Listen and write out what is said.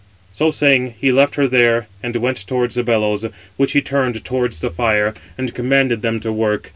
So saying, he left her there, and went towards the bellows, which he turned towards the fire, and commanded them to work.